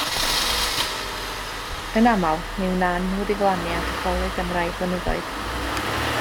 Yn aml, mi wnân nhw ddiflannu a dychwelyd am rai blynyddoedd.